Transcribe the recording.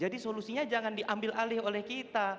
jadi solusinya jangan diambil alih oleh kita